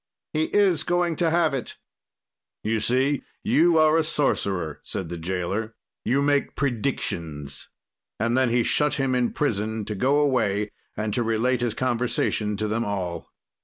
"'He is going to have it.' "'You see, you are a sorcerer,' said the jailer, 'you make predictions.' "And then he shut him in prison, to go away and to relate his conversation to them all.